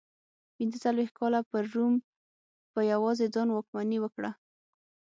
پنځه څلوېښت کاله پر روم په یوازې ځان واکمني وکړه.